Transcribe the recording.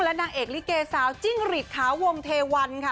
และนางเอกลิเกซาจิ้งฤทธิ์ขาววงเทวันค่ะ